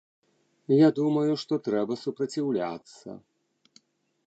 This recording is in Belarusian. Я думаю, што трэба супраціўляцца.